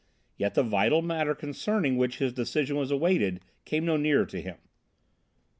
Yet the vital matter concerning which his decision was awaited came no nearer to him.